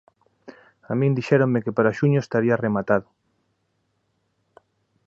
A min dixéronme que para xuño estaría rematado.